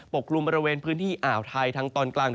กลุ่มบริเวณพื้นที่อ่าวไทยทางตอนกลาง